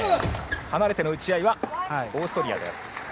離れての打ち合いはオーストリアです。